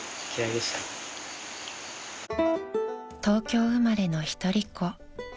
［東京生まれの一人っ子］